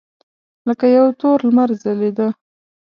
لکه یو تور لمر ځلېده.